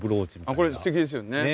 これすてきですよね